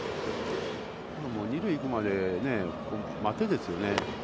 二塁行くまで待て、ですよね。